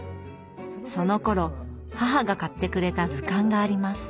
そのころ母が買ってくれた図鑑があります。